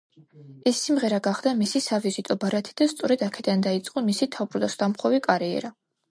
ეს სიმღერა გახდა მისი სავიზიტო ბარათი და სწორედ აქედან დაიწყო მისი თავბრუსდამხვევი კარიერა.